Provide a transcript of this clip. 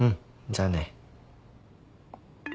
じゃあね。